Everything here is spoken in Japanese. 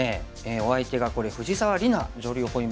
お相手がこれ藤沢里菜女流